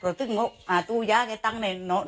โปรดติดตามต่อไป